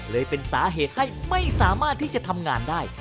เลยเป็นสาเหตุให้ไม่สามารถที่จะทำงานได้